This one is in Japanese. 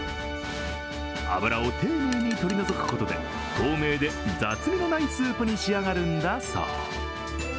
脂を丁寧に取り除くことで、透明で雑味のないスープに仕上がるんだそう。